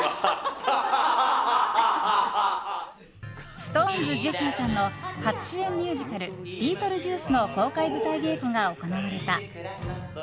ＳｉｘＴＯＮＥＳジェシーさんの初主演ミュージカル「ビートルジュース」の公開舞台稽古が行われた。